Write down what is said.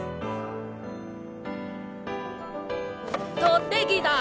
とってきた！